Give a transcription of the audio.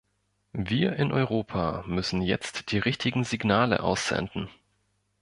Wir in Europa müssen jetzt die richtigen Signale aussenden.